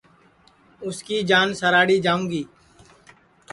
اُس کی جان سراھڑی جاوں گی